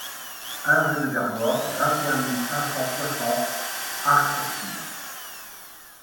un rue du Vernoy, vingt et un mille cinq cent soixante Arc-sur-Tille